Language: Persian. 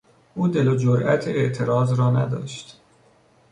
او دل و جرات اعتراض را نداشت.